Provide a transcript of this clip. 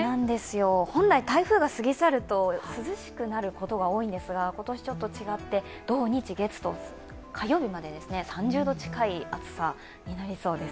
本来台風が過ぎ去ると、涼しくなることが多いんですが今年ちょっと違って、土・日・月、火曜日まで３０度近い暑さになりそうです。